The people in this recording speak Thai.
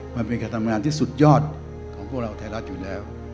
มันเป็นการทำงานที่สุดยอดของพวกเราไทยรัฐอยู่แล้ว